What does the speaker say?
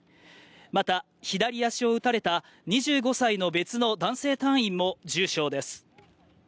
また左足を打たれた２５歳の別の男性隊員も重傷です。